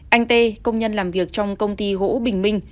anh tê công nhân làm việc trong công ty gỗ bình minh